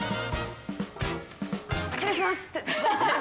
失礼します。